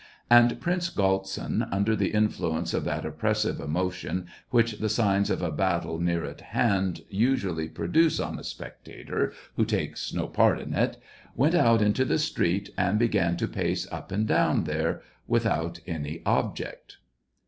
And Prince Galtsin, under the influence of that oppressive emotion which the signs of a battle near at hand usually produce on a spectator who takes no part in it, went out into the street, and began to pace up and down there without any object.